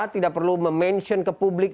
tidak perlu mention ke publik